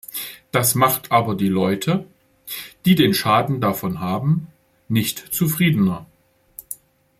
Das macht aber die Leute, die den Schaden davon haben, nicht zufriedener.